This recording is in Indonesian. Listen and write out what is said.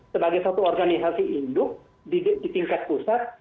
sebagai satu organisasi induk di tingkat pusat